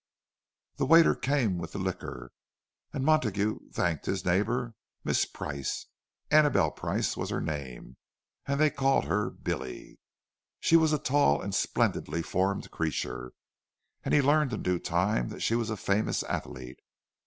The waiter came with the liquor, and Montague thanked his neighbour, Miss Price. Anabel Price was her name, and they called her "Billy"; she was a tall and splendidly formed creature, and he learned in due time that she was a famous athlete.